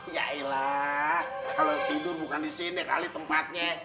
yaelah kalo tidur bukan di sini kali tempatnya